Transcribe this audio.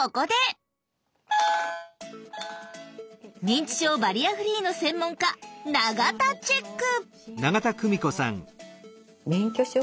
認知症バリアフリーの専門家永田チェック！